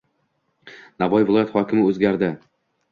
Navoiy viloyati hokimi o‘zgarding